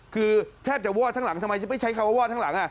คือแทบจะวอดทั้งหลังทำไมไม่ใช้คำว่าวอดทั้งหลัง